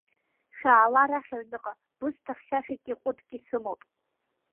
Шәаала арахь аҩныҟа, бысҭа хьшәашәаки ҟәыдки сымоуп!